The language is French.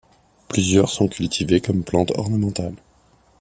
Plusieurs sont cultivées comme plantes ornementales.